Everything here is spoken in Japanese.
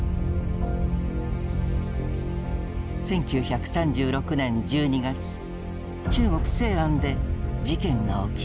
１９３６年１２月中国・西安で事件が起きる。